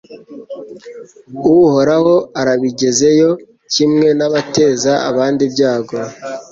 Uhoraho urabigizeyo kimwe n’abateza abandi ibyago